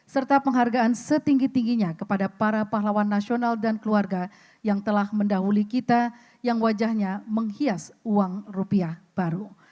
serta penghargaan setinggi tingginya kepada para pahlawan nasional dan keluarga yang telah mendahuli kita yang wajahnya menghias uang rupiah baru